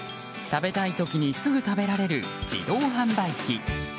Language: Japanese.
食べたい時にすぐ食べられる自動販売機。